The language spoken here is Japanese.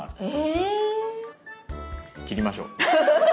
えぇ⁉切りましょう。